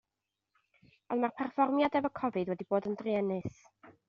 Ond mae'r perfformiad efo Covid wedi bod yn druenus.